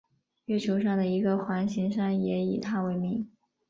月球上的一个环形山也以他为名。